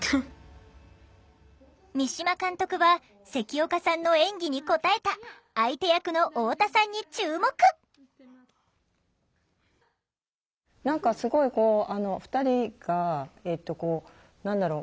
三島監督は関岡さんの演技に応えた相手役の太田さんに注目何かすごい２人がえっと何だろう？